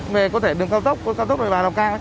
về có thể đường cao tốc